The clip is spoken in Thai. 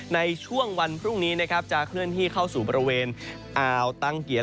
ในช่วงวันพรุ่งนี้นะครับจะเคลื่อนที่เข้าสู่บริเวณอ่าวตังเกียร